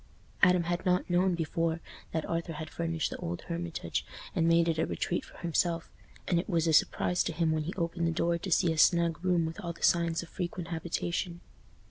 Adam had not known before that Arthur had furnished the old Hermitage and made it a retreat for himself, and it was a surprise to him when he opened the door to see a snug room with all the signs of frequent habitation.